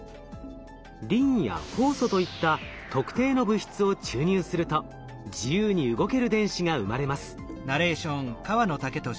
リンやホウ素といった特定の物質を注入すると自由に動ける電子が生まれます。